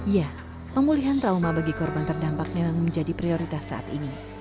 ya pemulihan trauma bagi korban terdampak memang menjadi prioritas saat ini